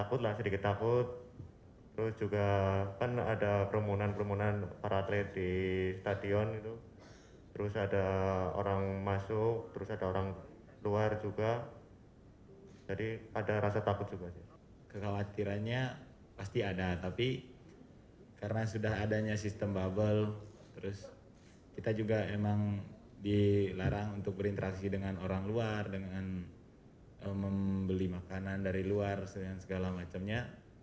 untuk berinteraksi dengan orang luar dengan membeli makanan dari luar dengan segala macamnya